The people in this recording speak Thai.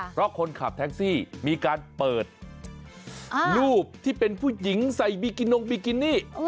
เพราะคนขับแท็กซี่มีการเปิดรูปที่เป็นผู้หญิงใส่บีกินงบิกินี่